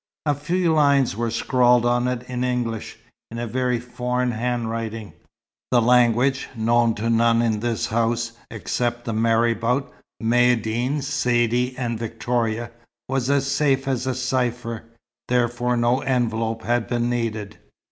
A few lines were scrawled on it in English, in a very foreign handwriting. The language, known to none in this house except the marabout, Maïeddine, Saidee and Victoria, was as safe as a cypher, therefore no envelope had been needed.